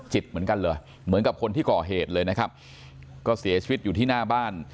เหมือนกันเลยเหมือนกับคนที่ก่อเหตุเลยนะครับก็เสียชีวิตอยู่ที่หน้าบ้าน